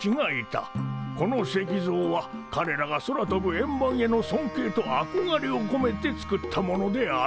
この石像はかれらが空飛ぶ円盤への尊敬とあこがれをこめて作ったものである。